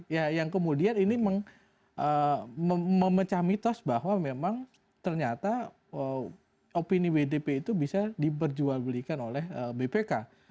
ya yang kemudian ini memecah mitos bahwa memang ternyata opini wdp itu bisa diperjualbelikan oleh bpk